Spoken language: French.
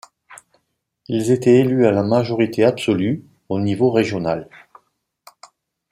Ils étaient élus à la majorité absolue, au niveau régional.